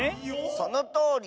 そのとおり。